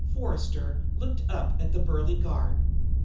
Forster looked up at the burly guard.